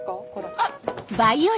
あっ！